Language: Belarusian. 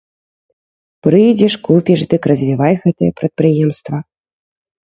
Прыйдзеш, купіш, дык развівай гэтае прадпрыемства.